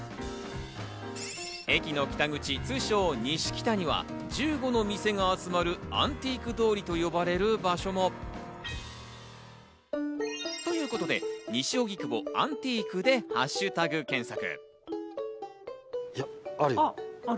駅の北口、通称・西北には１５の店が集まるアンティーク通りと呼ばれる場所も。ということで「＃西荻窪」、「＃アンティーク」でハッシュタグ検索。